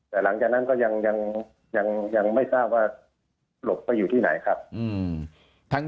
แต่หลังจากนั้นก็ยังไม่ทราบว่าหลบไปอยู่ที่ไหนครับ